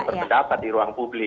berpendapat di ruang publik